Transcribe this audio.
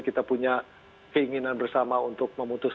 kita punya keinginan bersama untuk memutus